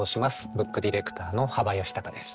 ブックディレクターの幅允孝です。